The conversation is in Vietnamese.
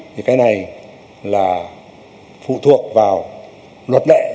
thì cái này là phụ thuộc vào luật lệ